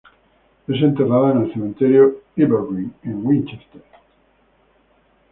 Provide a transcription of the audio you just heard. Es enterrada en el Cementerio Evergreen en Winchester.